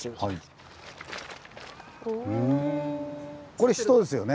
これ人ですよね？